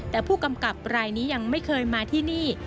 แต่ผู้กำกับรายนี้ยังไม่เคยมาที่นี่